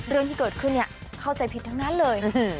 เรื่องที่เกิดขึ้นเข้าใจผิดทั้งนั้นเลย